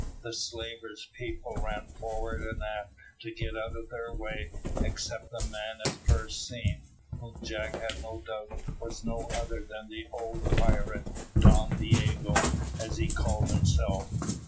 The slaver's people ran forward and aft to get out of their way, except the man at first seen, whom Jack had no doubt was no other than the old pirate, Don Diogo, as he called himself.